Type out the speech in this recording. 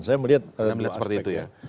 saya melihat dua aspek ya